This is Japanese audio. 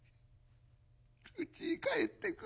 うちへ帰ってくる。